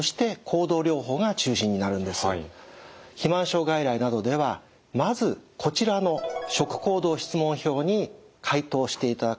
肥満症外来などではまずこちらの食行動質問表に回答していただくことから始めることが多いんです。